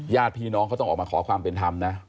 ญาติพี่น้องเขาต้องออกมาขอความเป็นธรรมนะ